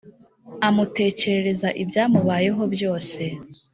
amutekerereza ibyamubayeho byose